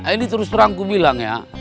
ini terus terang aku bilang ya